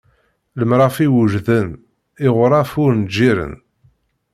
Lemrafi wejden, iɣuṛaf ur nǧiṛen!